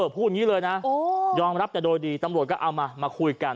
พูดอย่างนี้เลยนะยอมรับแต่โดยดีตำรวจก็เอามามาคุยกัน